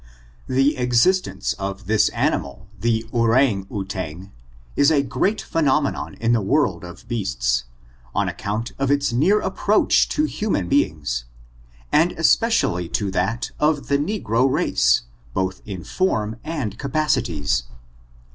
The existence of this animal, the ourang outang, is a great phenomenon in the world of beasts, on ac count of its near approach to human beings, and es pecially to that of the negro race, both in form and capacities.